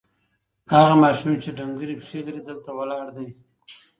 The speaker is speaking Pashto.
هغه ماشوم چې ډنګرې پښې لري، دلته ولاړ دی.